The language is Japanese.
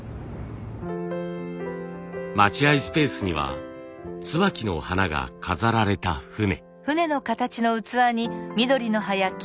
待ち合いスペースには椿の花が飾られた船。